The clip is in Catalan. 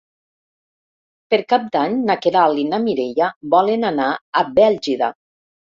Per Cap d'Any na Queralt i na Mireia volen anar a Bèlgida.